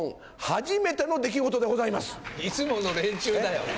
初めての出来事でいつもの連中だよ。